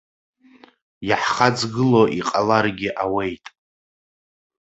Иаҳхаҵгыло иҟаларгьы ауеит.